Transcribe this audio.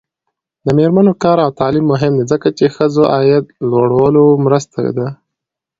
د میرمنو کار او تعلیم مهم دی ځکه چې ښځو عاید لوړولو مرسته ده.